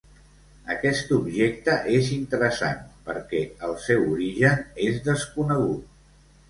Aquest objecte és interessant perquè el seu origen és desconegut.